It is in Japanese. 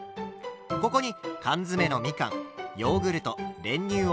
ここに缶詰のみかんヨーグルト練乳を量り入れます。